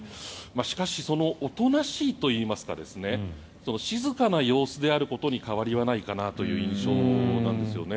しかし、おとなしいといいますか静かな様子であることに変わりはないかなという印象なんですよね。